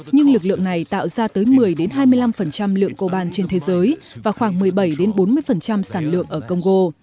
nhưng lực lượng này tạo ra tới một mươi hai mươi năm lượng coban trên thế giới và khoảng một mươi bảy bốn mươi sản lượng ở congo